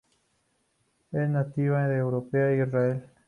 Es nativa de Europa e Israel.